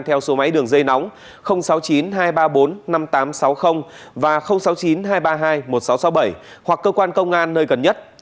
theo số máy đường dây nóng sáu mươi chín hai trăm ba mươi bốn năm nghìn tám trăm sáu mươi và sáu mươi chín hai trăm ba mươi hai một nghìn sáu trăm sáu mươi bảy hoặc cơ quan công an nơi gần nhất